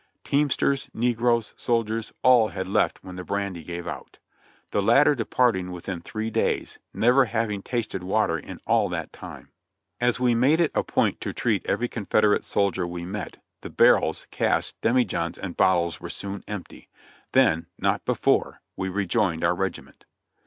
Teamsters, negroes, soldiers, all had left when the brandy gave out; the latter departing within three days, never having tasted water in all that time. As we made it a point to treat every Confederate soldier we met, the barrels, casks, demijohns, and bottles were soon empty, then — not before — we joined our regiment.